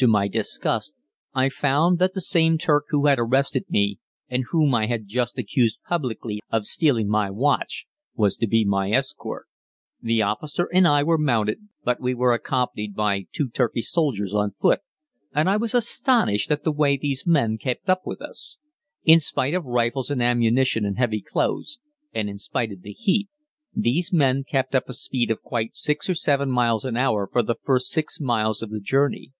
To my disgust I found that the same Turk who had arrested me, and whom I had just accused publicly of stealing my watch, was to be my escort. The officer and I were mounted, but we were accompanied by two Turkish soldiers on foot, and I was astonished at the way these men kept up with us. In spite of rifles and ammunition and heavy clothes, and in spite of the heat, these men kept up a speed of quite six or seven miles an hour for the first six miles of the journey.